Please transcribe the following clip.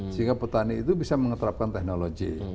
sehingga petani itu bisa mengeterapkan teknologi